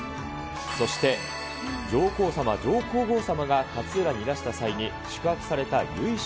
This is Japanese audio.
そして上皇さま、上皇后さまが勝浦にいらした際に宿泊された由緒